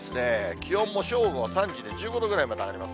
気温も正午、３時で１５度ぐらいまで上がります。